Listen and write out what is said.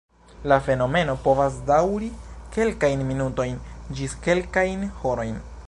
La fenomeno povas daŭri kelkajn minutojn ĝis kelkajn horojn.